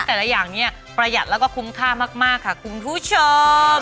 แต่ละอย่างนี่ประหยัดและคุ้มค่ามากคุ้มทูชม